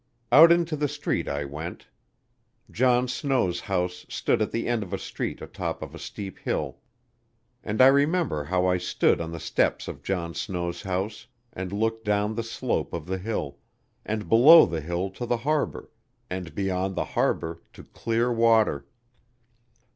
Out into the street I went. John Snow's house stood at the head of a street atop of a steep hill, and I remember how I stood on the steps of John Snow's house and looked down the slope of the hill, and below the hill to the harbor, and beyond the harbor to clear water.